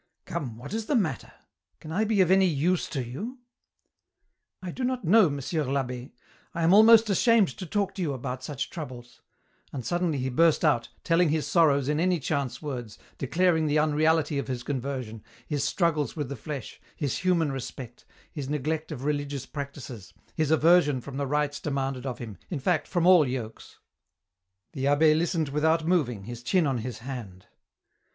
" Come, what is the matter ? Can I be of any use to you ?"" I do not know, Monsieur I'Abb^. I am almost ashamed to talk to you about such troubles," and suddenly he burst out, telling his sorrows in any chance words, declaring the unreality of his conversion, his struggles with the flesh, his human respect, his neglect of religious practices, his aversion from the rites demanded of him, in fact from all yokes. The abbd listened without moving, his chin on his hand.